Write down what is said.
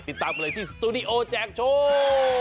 ติดตามกันเลยที่สตูดิโอแจกโชว์